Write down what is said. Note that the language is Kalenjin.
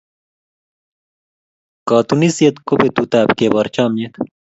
Katunisyet ko betutab keboor chomnyet.